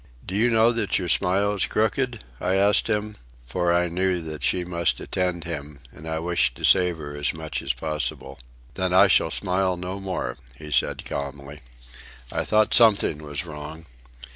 "Do you know that your smile is crooked?" I asked him; for I knew that she must attend him, and I wished to save her as much as possible. "Then I shall smile no more," he said calmly. "I thought something was wrong.